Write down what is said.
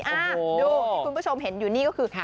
อ่าดูที่คุณผู้ชมเห็นอยู่นี่ก็คือ